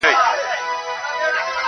د پوه سړي دوستي زیان نه لري -